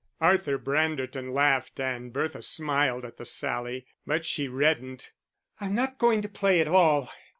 Arthur Branderton laughed and Bertha smiled at the sally, but she reddened. "I'm not going to play at all.